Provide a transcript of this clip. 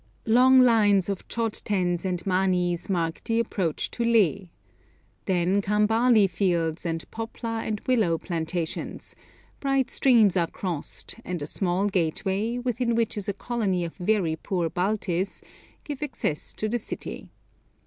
Long lines of chod tens and manis mark the approach to Leh. Then come barley fields and poplar and willow plantations, bright streams are crossed, and a small gateway, within which is a colony of very poor Baltis, gives access to the city.